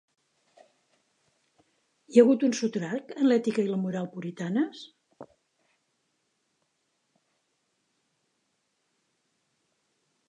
Hi ha hagut un sotrac en l’ètica i la moral puritanes?